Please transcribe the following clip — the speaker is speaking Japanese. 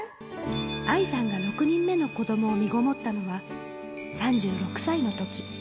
愛さんが６人目の子どもをみごもったのは、３６歳のとき。